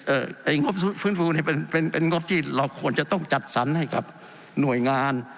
ไอ้งบฟื้นฟูนี่เป็นเป็นงบที่เราควรจะต้องจัดสรรให้กับหน่วยงาน